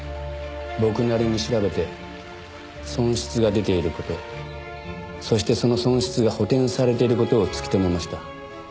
僕なりに調べて損失が出ている事そしてその損失が補填されている事を突き止めました。